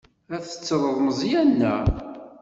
Ad tettreḍ Meẓyan, naɣ?